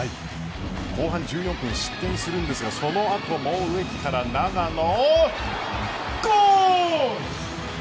後半１４分、失点するんですがそのあとも植木から長野。